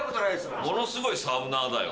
ものすごいサウナーだよ。